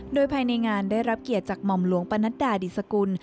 โดยภายในงานได้รับเกียรติจากหม่อมหลวงปนัดดาดิสกุล